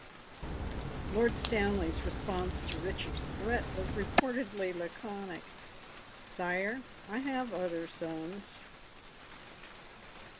Lord Stanley's response to Richard's threat was reportedly laconic: "Sire, I have other sons".